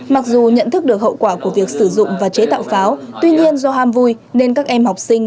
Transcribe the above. mặc dù nhận thức được hậu quả của việc sử dụng và chế tạo pháo tuy nhiên do ham vui nên các em học sinh